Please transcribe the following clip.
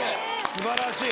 素晴らしい。